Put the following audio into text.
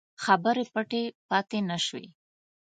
خبرې پټې پاته نه شوې.